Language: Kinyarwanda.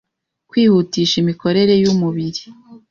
Kwihutisha imikorere y’umubiri